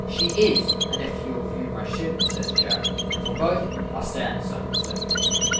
"She is and if you'll view my ship," Says Jack, "for both I'll stand some flip."